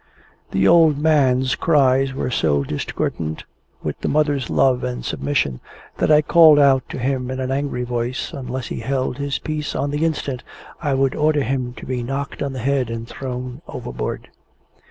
The old man's cries were so discordant with the mother's love and submission, that I called out to him in an angry voice, unless he held his peace on the instant, I would order him to be knocked on the head and thrown overboard.